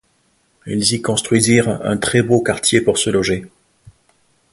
Ils y construisirent un très beau quartier pour se loger.